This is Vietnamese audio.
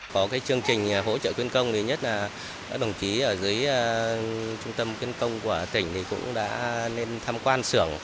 có chương trình hỗ trợ khuyến công đồng chí ở dưới trung tâm khuyến công của tỉnh cũng đã tham quan sưởng